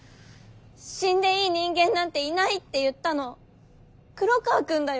死んでいい人間なんていないって言ったの黒川くんだよ？